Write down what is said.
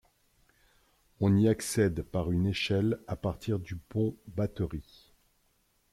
On y accède par une échelle, à partir du pont batterie.